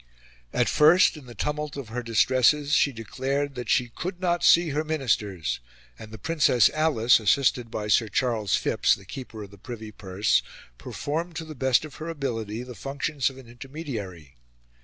At first, in the tumult of her distresses, she declared that she could not see her Ministers, and the Princess Alice, assisted by Sir Charles Phipps, the keeper of the Privy Purse, performed, to the best of her ability, the functions of an intermediary.